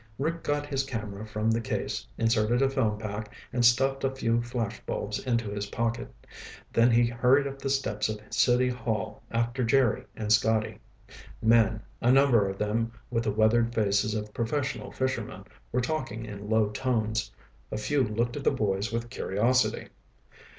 Rick got his camera from the case, inserted a film pack, and stuffed a few flash bulbs into his pocket. Then he hurried up the steps of City Hall after Jerry and Scotty. Men, a number of them with the weathered faces of professional fishermen, were talking in low tones. A few looked at the boys with curiosity.